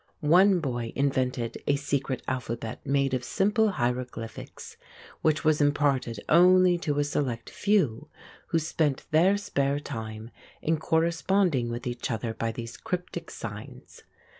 One boy invented a secret alphabet made of simple hieroglyphics, which was imparted only to a select few, who spent their spare time in corresponding with each other by these cryptic signs.